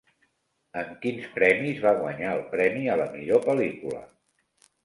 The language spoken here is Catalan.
En quins premis va guanyar el premi a la millor pel·lícula?